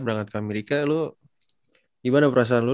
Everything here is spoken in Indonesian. lu gimana perasaan lu